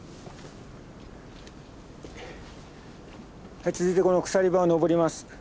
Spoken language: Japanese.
はい続いてこの鎖場を登ります。